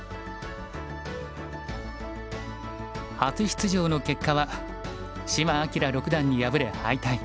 初出場の結果は島朗六段に敗れ敗退。